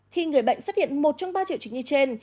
khi người bệnh xuất hiện một trong ba triệu chứng như trên